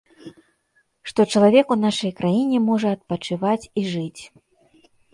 Што чалавек у нашай краіне можа адпачываць і жыць.